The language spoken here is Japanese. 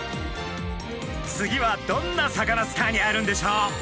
次はどんなサカナスターに会えるんでしょう？